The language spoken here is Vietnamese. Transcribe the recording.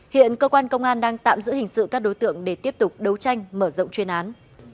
hiện cơ quan công an đang tạm giữ hình sự các đối tượng để tiếp tục đấu tranh mở rộng chuyên án